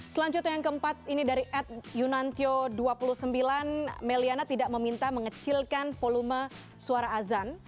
selanjutnya yang keempat ini dari ed yunantio dua puluh sembilan meliana tidak meminta mengecilkan volume suara azan